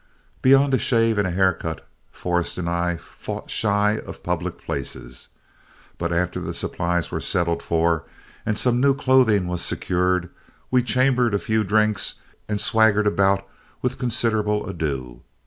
Beyond a shave and a hair cut, Forrest and I fought shy of public places. But after the supplies were settled for, and some new clothing was secured, we chambered a few drinks and swaggered about with considerable ado.